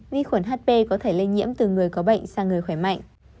vi khuẩn hp có thể lây nhiễm từ người có bệnh sang người khỏe mạnh